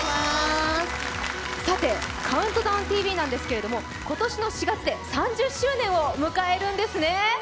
さて、「ＣＤＴＶ」なんですけれども今年の４月で３０周年を迎えるんですね。